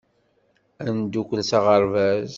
Ad neddukkel s aɣerbaz.